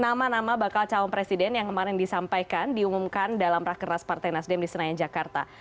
nama nama bakal calon presiden yang kemarin disampaikan diumumkan dalam rakernas partai nasdem di senayan jakarta